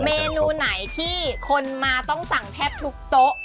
เมนูไหนที่คนมาต้องสั่งแทบทุกโต๊ะ